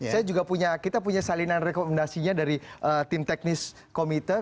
saya juga punya kita punya salinan rekomendasinya dari tim teknis komite